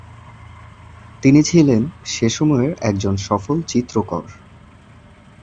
তিনি ছিলেন সে সময়ের একজন সফল চিত্রকর।